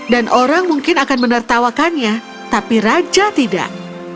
dan orang mungkin akan menertawakannya tapi raja tidak